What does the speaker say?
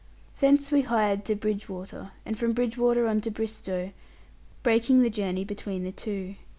Thence we hired to Bridgwater; and from Bridgwater on to Bristowe, breaking the journey between the two.